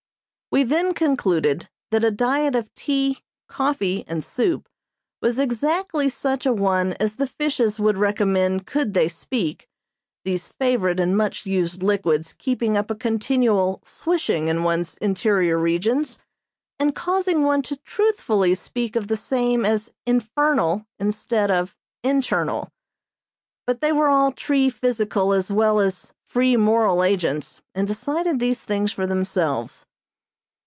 We then concluded that a diet of tea, coffee and soup was exactly such a one as the fishes would recommend could they speak, these favorite and much used liquids keeping up a continual "swishing" in one's interior regions, and causing one to truthfully speak of the same as "infernal" instead of internal. But they were all tree physical as well as free moral agents and decided these things for themselves.